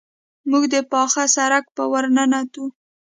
موږ د پاخه سړک په ورننوتو.